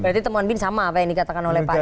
berarti temuan bin sama apa yang dikatakan oleh pak